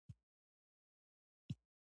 تشې پوزې توروي.